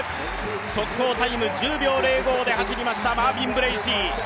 速報タイム１０秒０５で走りましたマービン・ブレーシー。